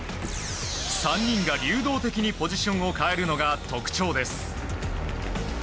３人が流動的にポジションを変えるのが特徴です。